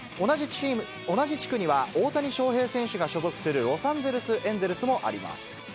同じ地区には大谷翔平選手が所属するロサンゼルス・エンゼルスもあります。